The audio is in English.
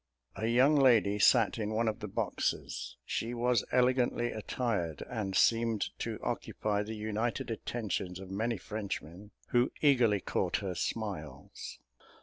A young lady sat in one of the boxes; she was elegantly attired, and seemed to occupy the united attentions of many Frenchmen, who eagerly caught her smiles.